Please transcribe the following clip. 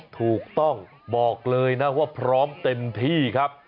ถูกต้องบอกเลยนะว่าพร้อมเต็มที่ครับ